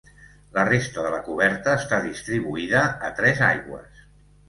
La resta de la coberta està distribuïda a tres aigües.